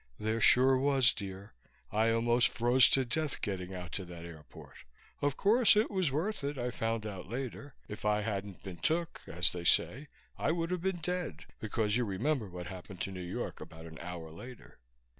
"There sure was, dear. I almost froze to death getting out to that airport. Of course, it was worth it, I found out later. If I hadn't been took, as they say, I would've been dead, because you remember what happened to New York about an hour later."